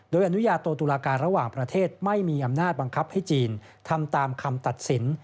โดยอนุญาโตตุลาการระหว่างประเทศไม่มีอำนาจบังคับให้จีนทำตามคำตัดสิน